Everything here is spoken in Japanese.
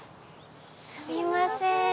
すみません。